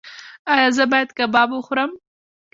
ایا زه باید کباب وخورم؟